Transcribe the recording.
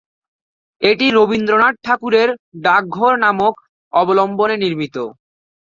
এটি রবীন্দ্রনাথ ঠাকুরের "ডাকঘর" নাটক অবলম্বনে নির্মিত।